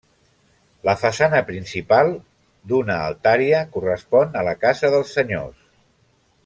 La façana principal, d'una altària, correspon a la casa dels senyors.